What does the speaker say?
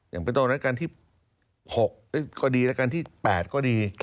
อย่างเป็นตรงรัฐการณ์ที่๖ก็ดีรัฐการณ์ที่๘ก็ดี